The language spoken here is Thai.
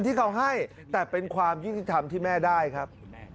ที่เขาให้แต่เป็นความยุติธรรมที่แม่ได้ครับ